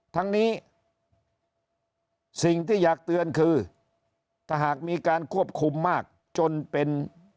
ทั้งนี้สิ่งที่อยากเตือนคือถ้าหากมีการควบคุมมากจนเป็น